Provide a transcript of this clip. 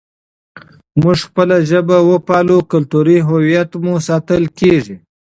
موږ خپله ژبه وپالو، کلتوري هویت مو ساتل کېږي.